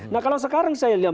nah kalau sekarang saya lihat